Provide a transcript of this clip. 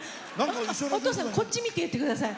お父さん、こっちを見て言ってください。